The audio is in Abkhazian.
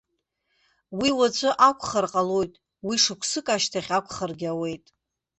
Уи уаҵәы акәхар ҟалоит, уи шықәсык ашьҭахь акәхаргьы ауеит.